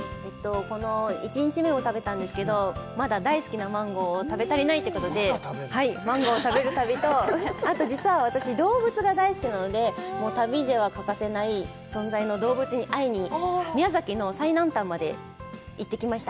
１日目、食べたんですけど、まだ大好きなマンゴーを食べ足りないということで、マンゴーを食べる旅と、あと、私、動物が大好きなので旅でも欠かせない存在の動物に会いに宮崎の最南端まで行ってきました。